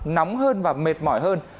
nóng hơn và mệt mỏi hơn